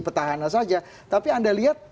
petahana saja tapi anda lihat